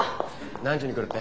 何時に来るって？